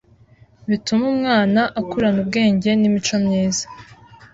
bitume umwana akurana ubwenge n’imico myiza.